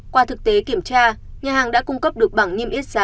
qua thực tế kiểm tra nhà hàng đã cung cấp được bằng nhiêm yết giá